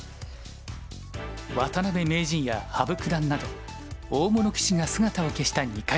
渡辺名人や羽生九段など大物棋士が姿を消した２回戦。